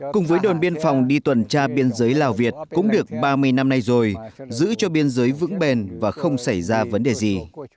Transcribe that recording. cùng với đồn biên phòng đi tuần tra biên giới lào việt cũng được ba mươi năm nay rồi giữ cho biên giới vững bền và không xảy ra vấn đề gì